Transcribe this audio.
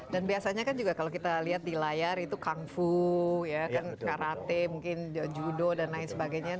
dan biasanya kan juga kalau kita lihat di layar itu kung fu karate judo dan lain sebagainya